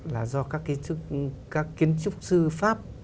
là do các kiến trúc sư pháp